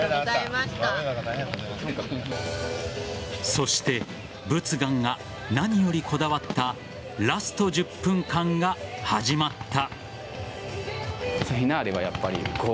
そして佛願が何よりこだわったラスト１０分間が始まった。